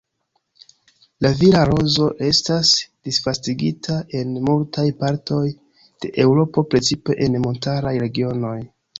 La vila rozo estas disvastigita en multaj partoj de Eŭropo precipe en montaraj regionoj.